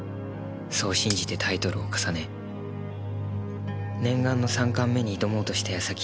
そう信じてタイトルを重ね念願の三冠目に挑もうとした矢先。